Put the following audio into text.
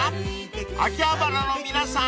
［秋葉原の皆さん